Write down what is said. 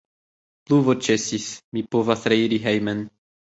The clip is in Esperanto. Pluvo ĉesis, mi povas reiri hejmen.